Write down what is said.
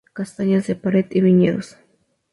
Castañas de pared y viñedos.